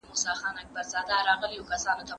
تاسو باید د ژوندپوهنې نويو موندنو ته پام وکړئ.